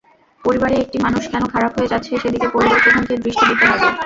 পরিবারে একটি মানুষ কেন খারাপ হয়ে যাচ্ছে, সেদিকে পরিবারপ্রধানকে দৃষ্টি দিতে হবে।